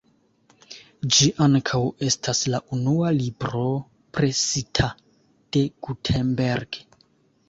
Ĝi ankaŭ estas la unua libro presita de Gutenberg.